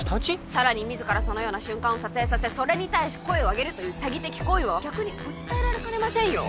さらに自らそのような瞬間を撮影させそれに対し声を上げるという詐欺的行為は逆に訴えられかねませんよ？